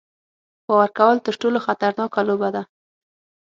باور کول تر ټولو خطرناکه لوبه ده.